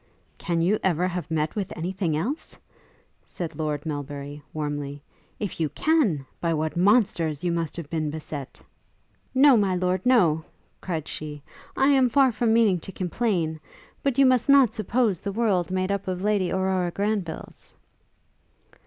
'Can you ever have met with any thing else?' said Lord Melbury, warmly; 'if you can by what monsters you must have been beset!' 'No, my Lord, no,' cried she: 'I am far from meaning to complain; but you must not suppose the world made up of Lady Aurora Granvilles!'